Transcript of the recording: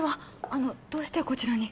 あのどうしてこちらに？